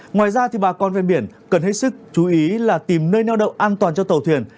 ngoài ra thì bà con bên biển cần hết sức chú ý là tìm nơi neo động an toàn cho tàu thuyền